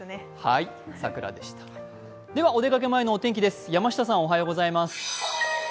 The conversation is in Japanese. お出かけ前のお天気です。